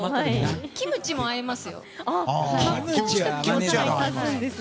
キムチも合いますよ。